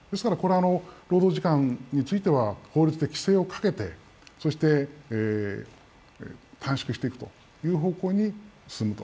労働時間については、法律で規制をかけて短縮していくという方向に進むと。